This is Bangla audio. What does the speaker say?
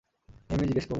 এমনিই জিজ্ঞেস করলাম।